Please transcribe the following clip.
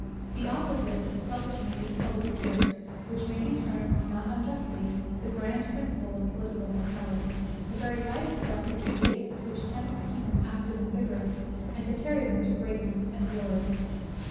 The opposite to selfishness is public spirit; which may be termed, not unjustly, the grand principle of political vitality, the very life's breath of states, which tends to keep them active and vigorous, and to carry them to greatness and glory.